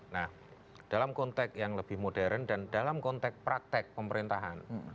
nah dalam konteks yang lebih modern dan dalam konteks praktek pemerintahan